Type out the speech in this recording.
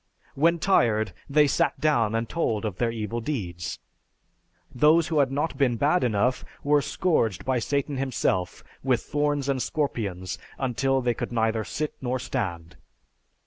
When tired, they sat down and told of their evil deeds; those who had not been bad enough were scourged by Satan himself with thorns and scorpions until they could neither sit nor stand.